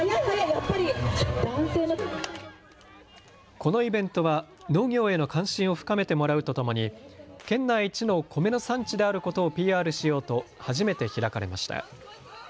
このイベントは農業への関心を深めてもらうとともに県内一の米の産地であることをＰＲしようと初めて開かれました。